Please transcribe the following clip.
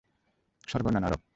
স্বর্গ না নরক?